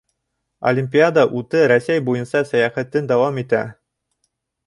Олимпиада уты Рәсәй буйынса сәйәхәтен дауам итә.